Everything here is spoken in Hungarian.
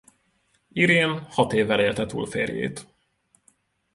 Irén hat évvel élte túl férjét.